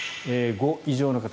５以上の方